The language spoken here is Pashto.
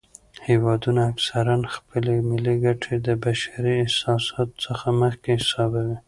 هیوادونه اکثراً خپلې ملي ګټې د بشري احساساتو څخه مخکې حسابوي.